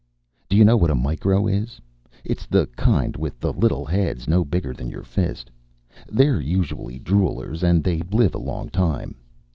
Do you know what a micro is? It's the kind with the little heads no bigger than your fist. They're usually droolers, and they live a long time.